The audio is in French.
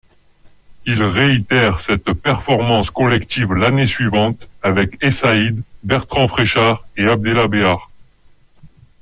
Il réitère cette performance collective l'année suivante, avec Essaïd, Bertrand Fréchard et Abdellah Béhar.